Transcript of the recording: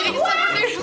aduh gak pegang